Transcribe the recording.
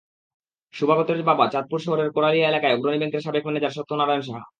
সুবাগতের বাবা চাঁদপুর শহরের কোড়ালিয়া এলাকার অগ্রণী ব্যাংকের সাবেক ম্যানেজার সত্য নারায়ণ সাহা।